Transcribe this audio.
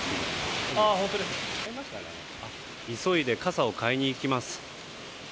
急いで傘を買いに行きます。